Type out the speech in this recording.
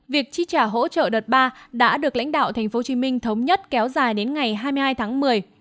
việc chi trả hỗ trợ đợt ba đã được lãnh đạo tp hcm thống nhất kéo dài đến ngày hai mươi hai tháng một mươi